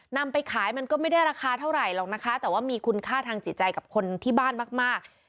นำไปขายมันก็ไม่ได้ราคาเท่าไหร่หรอกนะคะแต่ว่ามีคุณค่าทางจิตใจกับคนที่บ้านมาก